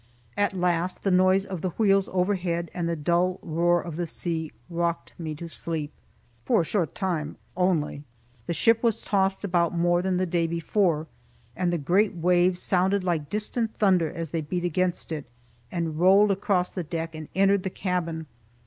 At last the noise of the wheels overhead, and the dull roar of the sea, rocked me to sleep. For a short time only. The ship was tossed about more than the day before, and the great waves sounded like distant thunder as they beat against it, and rolled across the deck and entered the cabin.